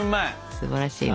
すばらしいね。